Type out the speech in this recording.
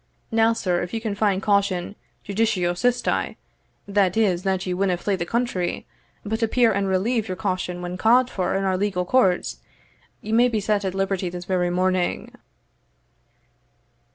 Now, sir, if you can find caution judicio sisti, that is, that ye winna flee the country, but appear and relieve your caution when ca'd for in our legal courts, ye may be set at liberty this very morning."